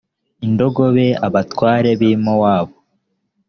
indogobe abatware b ‘i mowabu .